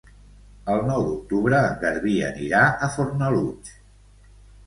El nou d'octubre en Garbí anirà a Fornalutx.